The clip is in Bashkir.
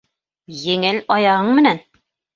Еңел аяғың менән!